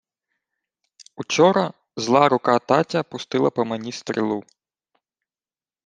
— Учора зла рука татя пустила по мені стрілу.